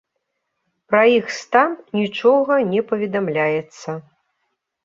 Пра іх стан нічога не паведамляецца.